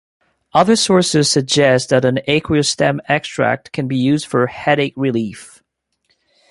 Other sources suggest that an aqueous stem extract can be used for headache relief.